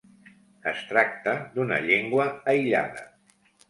Es tracta d'una llengua aïllada.